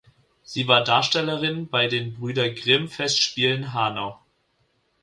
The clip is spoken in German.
Sie war Darstellerin bei den Brüder Grimm Festspielen Hanau.